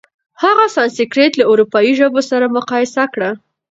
هغه سانسکریت له اروپايي ژبو سره مقایسه کړه.